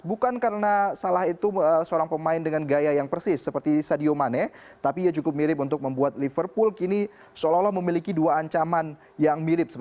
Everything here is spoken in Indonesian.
bukan karena salah itu seorang pemain dengan gaya yang persis seperti sadio mane tapi ia cukup mirip untuk membuat liverpool kini seolah olah memiliki dua ancaman yang mirip